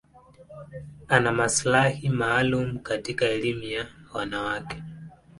Ana maslahi maalum katika elimu ya wanawake.